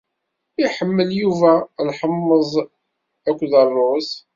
Iḥemmel Yuba lḥemmeẓ akked ṛṛuz.